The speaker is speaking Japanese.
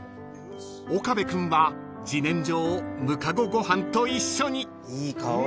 ［岡部君は自然薯をむかごご飯と一緒に］